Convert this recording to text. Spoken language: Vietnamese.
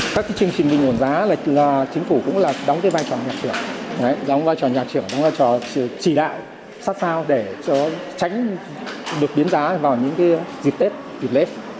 các chương trình bình ổn giá là chính phủ cũng đóng vai trò nhạc trưởng đóng vai trò nhạc trưởng đóng vai trò chỉ đại sát sao để tránh được biến giá vào những dịp tết dịp lết